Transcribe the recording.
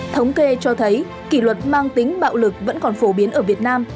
thống kê cho thấy kỷ luật mang tính bạo lực vẫn còn phổ biến ở việt nam